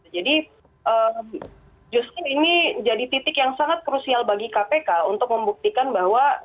justru ini jadi titik yang sangat krusial bagi kpk untuk membuktikan bahwa